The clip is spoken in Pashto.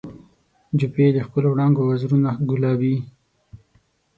جوپې د ښکلو وړانګو وزرونه ګلابي